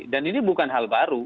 dan ini bukan hal baru